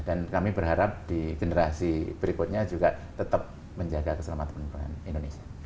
dan kami berharap di generasi berikutnya juga tetap menjaga keselamatan penerbangan indonesia